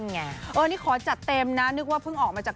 ไงเออนี่ขอจัดเต็มนะนึกว่าเพิ่งออกมาจาก